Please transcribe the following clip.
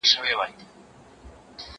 زه به اوږده موده ځواب ليکلی وم؟!